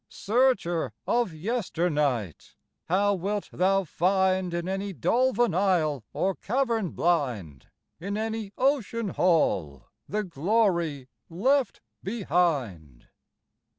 Searcher of yesternight! how wilt thou find In any dolven aisle or cavern blind, In any ocean hall, the glory left behind?